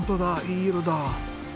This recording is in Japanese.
いい色だ。